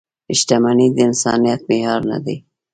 • شتمني د انسانیت معیار نه دی.